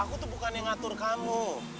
aku tuh bukan yang ngatur kamu